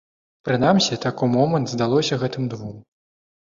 Прынамсі, так умомант здалося гэтым двум.